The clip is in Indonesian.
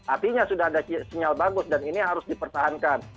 artinya sudah ada sinyal bagus dan ini harus dipertahankan